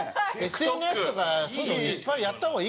ＳＮＳとかそういうのいっぱいやった方がいいか。